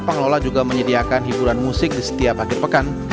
pengelola juga menyediakan hiburan musik di setiap akhir pekan